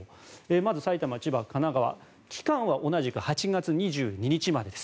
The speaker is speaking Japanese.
まず、埼玉、千葉、神奈川期間は同じく８月２２日までです。